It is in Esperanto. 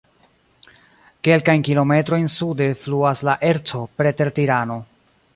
Kelkajn kilometrojn sude fluas la Erco preter Tirano.